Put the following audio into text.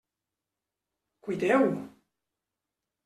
Cuiteu!